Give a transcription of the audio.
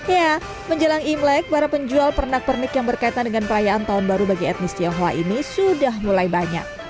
ya menjelang imlek para penjual pernak pernik yang berkaitan dengan perayaan tahun baru bagi etnis tionghoa ini sudah mulai banyak